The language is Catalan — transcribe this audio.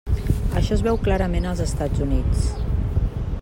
Això es veu clarament als Estats Units.